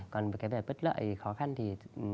còn về cái vật lợi khó khăn thì